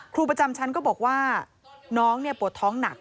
ครูประจำชั้นก็บอกว่าน้องปวดท้องหนัก